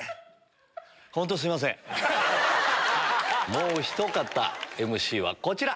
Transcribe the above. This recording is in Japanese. もうひと方ＭＣはこちら！